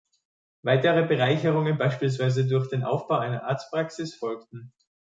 Weitere Bereicherungen beispielsweise durch den Aufbau einer Arztpraxis folgten.